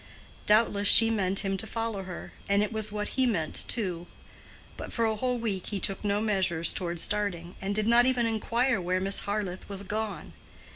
Doubtless she meant him to follow her, and it was what he meant too. But for a whole week he took no measures toward starting, and did not even inquire where Miss Harleth was gone.